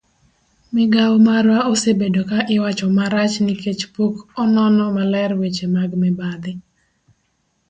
migao marwa osebedo ka iwacho marach nikech pok onono maler weche mag mibadhi